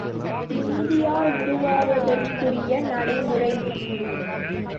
India உருவாவதற்குரிய நடைமுறை.